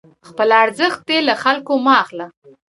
خپل ارزښت دې له خلکو مه اخله،